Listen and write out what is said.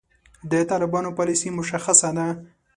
د طالبانو پالیسي مشخصه ده.